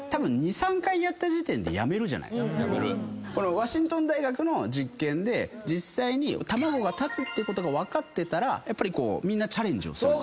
ワシントン大学の実験で実際に卵が立つってことが分かってたらやっぱりみんなチャレンジをする。